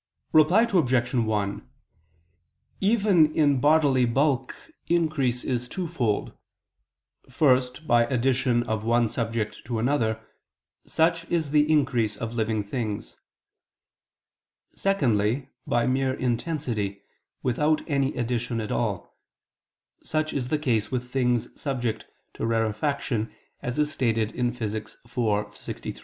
Reply Obj. 1: Even in bodily bulk increase is twofold. First, by addition of one subject to another; such is the increase of living things. Secondly, by mere intensity, without any addition at all; such is the case with things subject to rarefaction, as is stated in Phys. iv, text. 63.